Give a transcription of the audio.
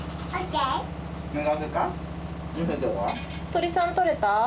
トリさん取れた？